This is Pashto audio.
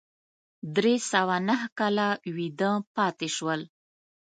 درې سوه نهه کاله ویده پاتې شول.